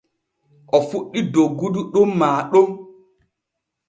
O fuɗɗi doggugo ɗon maa ɗon.